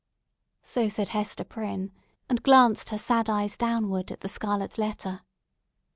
So said Hester Prynne, and glanced her sad eyes downward at the scarlet letter.